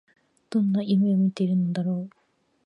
どんな夢を見ているのだろう